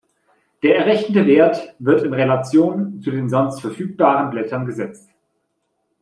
Der errechnete Wert wird in Relation zu den sonst verfügbaren Blättern gesetzt.